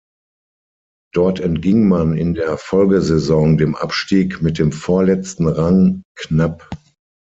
Dort entging man in der Folgesaison dem Abstieg mit dem vorletzten Rang knapp.